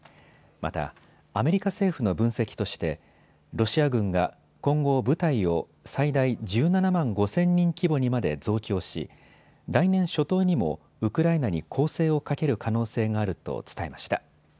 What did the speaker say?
また、アメリカ政府の分析としてロシア軍が今後、部隊を最大１７万５０００人規模にまで増強し来年初頭にもウクライナに攻勢をかける可能性があると伝えました。